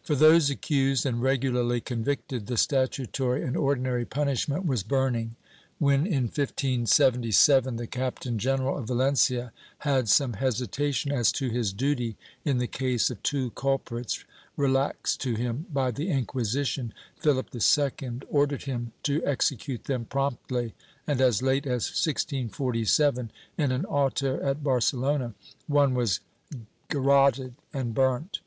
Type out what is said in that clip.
^ For those accused and regularly convicted, the statutory and ordinary punishment was burning. When, in 1577, the Captain general of Valencia had some hesitation as to his duty, in the case of two culprits relaxed to him by the Inquisition, Philip II ordered him to execute them promptly and, as late as 1647, in an auto at Barcelona, one was garroted and burnt.